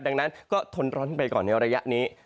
ดังนั้นก็ทนร้อนขึ้นไปก่อนในระยะนี้